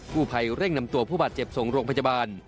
ผู้ภัยเร่งนำตัวผู้บาดเจ็บส่งโรงพยาบาล